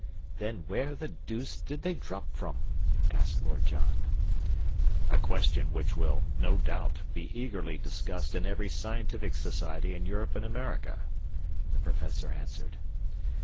"Then where the dooce did they drop from?" asked Lord John. "A question which will, no doubt, be eagerly discussed in every scientific society in Europe and America," the Professor answered.